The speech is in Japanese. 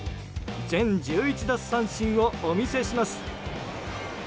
全１１奪三振をお見せします。